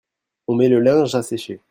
On met le linge à sécher.